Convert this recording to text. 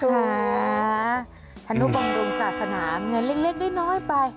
ธนุบังดุงศาสนามเงินเล็กได้น้อยไป